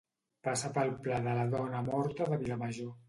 passa pel pla de la Dona Morta de Vilamajor